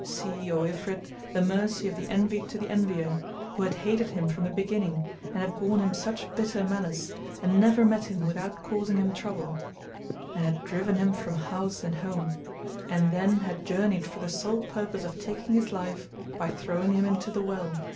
See, O Ifrit, the mercy of the Envied to the Envier, who had hated him from the beginning and had borne him such bitter malice and never met him without causing him trouble; and had driven him from house and home, and then had journeyed for the sole purpose of taking his life by throwing him into the well.